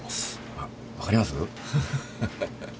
あっ分かります？ハハハ。